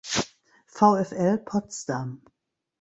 VfL Potsdam.